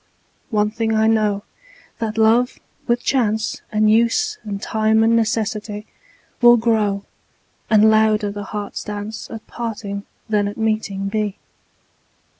One thing I know, that love with chance And use and time and necessity Will grow, and louder the heart's dance At parting than at meeting be.